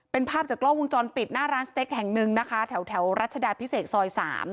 เป็นภาพจากกล้องวงจรปิดหน้าร้านสเต็กแห่งหนึ่งนะคะแถวรัชดาพิเศษซอย๓